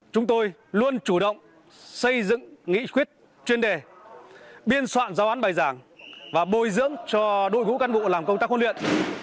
chúng tôi luôn chủ động xây dựng nghị quyết chuyên đề biên soạn giáo án bài giảng và bồi dưỡng cho đội ngũ cán bộ làm công tác huấn luyện